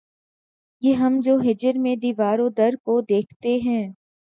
یہ ہم جو ہجر میں دیوار و در کو دیکھتے ہیں